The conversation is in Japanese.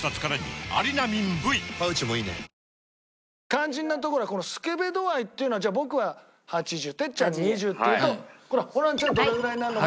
肝心なところはこのスケベ度合いっていうのは僕は８０哲ちゃん２０っていうとこれはホランちゃんはどれぐらいになるのか